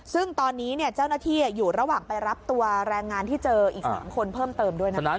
ซึ่งตอนนี้เจ้าหน้าที่อยู่ระหว่างไปรับตัวแรงงานที่เจออีก๓คนเพิ่มเติมด้วยนะครับ